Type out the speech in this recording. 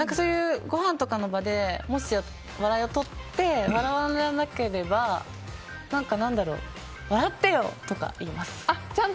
ごはんとかの場でもし笑いをとって笑わなければ笑ってよって言います。